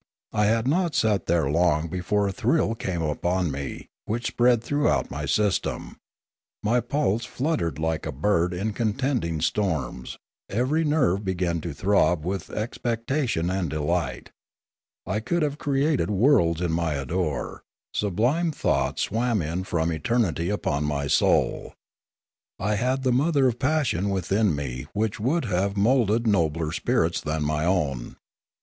I had not sat there long before a thrill came upon me which spread throughout my system; my pulse fluttered like a bird in contending storms; every nerve began to throb with expectation and delight; I could have created worlds in my ardour ; sublime thoughts swam in from eternity upon my soul; I had the mother passion within me which would have moulded nobler spirits than my own.